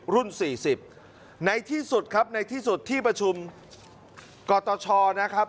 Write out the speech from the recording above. รุ่นสี่สิบไปสุดครับที่ประชุมกอตเฉานะครับ